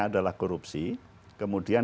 adalah korupsi kemudian